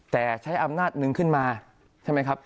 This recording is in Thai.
แต่ใช้อำนาจหนึ่งขึ้นมาใช่ไหมครับ